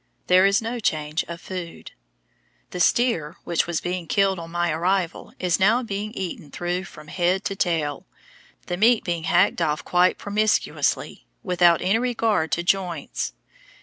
There is no change of food. The steer which was being killed on my arrival is now being eaten through from head to tail, the meat being hacked off quite promiscuously, without any regard to joints.